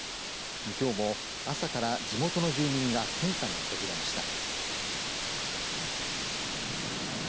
きょうも、朝から地元の住民が献花に訪れました。